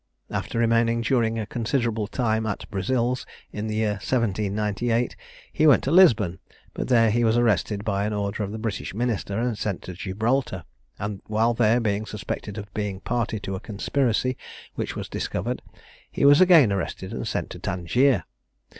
After remaining during a considerable time at Brazils, in the year 1798 he went to Lisbon; but there he was arrested by an order of the British minister, and sent to Gibraltar, and while there, being suspected of being a party to a conspiracy which was discovered, he was again arrested and sent to Tangier.